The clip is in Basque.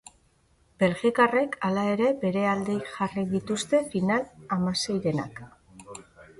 Belgikarrek, hala ere, bere alde jarri dituzte final-hamaseirenak.